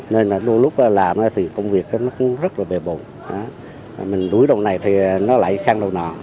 nên là lúc làm thì công việc nó cũng rất là bề bồn mình đuối đầu này thì nó lại sang đầu nọ